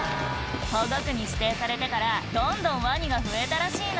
「保護区に指定されてからどんどんワニが増えたらしいの」